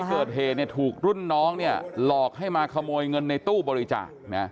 เกิดเหตุถูกรุ่นน้องหลอกให้มาขโมยเงินในตู้บริจาค